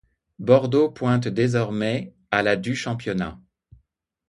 Bordeaux pointe désormais à la du championnat.